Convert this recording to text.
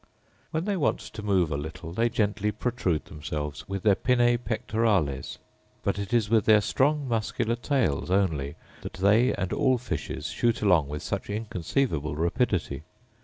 When they want to move a little they gently protrude themselves with their pinnae pectorales; but it is with their strong muscular tails only that they and all fishes shoot along with such inconceivable rapidity.